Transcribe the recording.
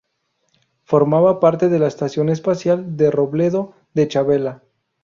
Formaba parte de la Estación Espacial de Robledo de Chavela.